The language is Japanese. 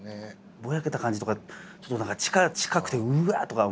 ぼやけた感じとかちょっと何か近くてうわ！とか思って。